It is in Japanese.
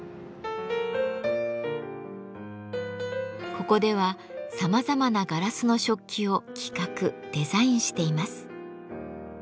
ここではさまざまなガラスの食器を企画デザインしています。